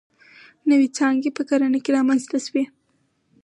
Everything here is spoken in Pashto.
نوې څانګې په کرنه کې رامنځته شوې.